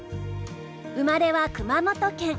生まれは熊本県。